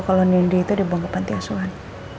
kalo nindi tuh dibangun ke pantai asuhan